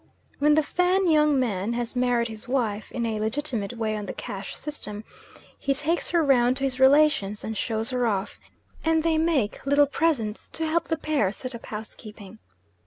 When the Fan young man has married his wife, in a legitimate way on the cash system, he takes her round to his relations, and shows her off; and they make little presents to help the pair set up housekeeping.